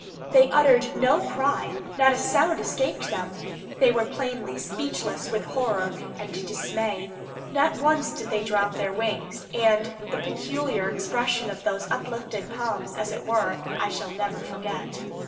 They uttered no cry, not a sound escaped them; they were plainly speechless with horror and dismay. Not once did they drop their wings, and the peculiar expression of those uplifted palms, as it were, I shall never forget.